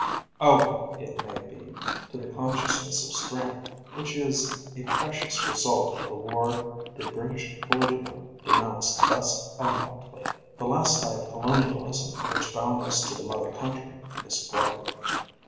Owing, it may be, to the consciousness of strength, which is a precious result of the war the British clergyman denounced thus eloquently, the last tie of colonialism which bound us to the mother country is broken.